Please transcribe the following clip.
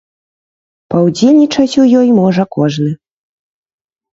Паўдзельнічаць у ёй можа кожны.